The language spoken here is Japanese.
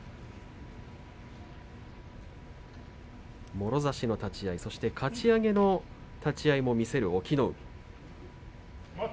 もろ差しの立ち合いそして、かち上げの立ち合いも見せる、隠岐の海。